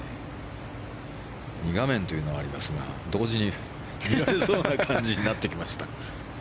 ２画面というのはありますが同時に見られそうな感じになってきました。